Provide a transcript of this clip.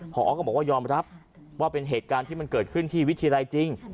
พอก็บอกว่ายอมรับว่าเป็นเหตุการณ์ที่มันเกิดขึ้นที่วิทยาลัยจริง